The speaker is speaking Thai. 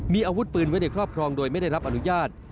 มีอาวุธปืนไว้ในครอบครองโดยไม่ได้รับอนุญาต